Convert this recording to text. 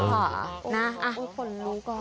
อ่อเออคนนู้ก่อน